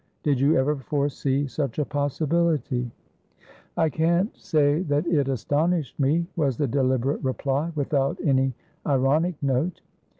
Did you ever foresee such a possibility?" "I can't say that it astonished me," was the deliberate reply, without any ironic note.